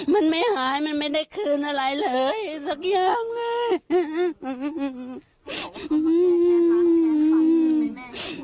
มันไม่หายมันไม่ได้คืนอะไรเลยสักอย่างเลย